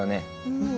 うん。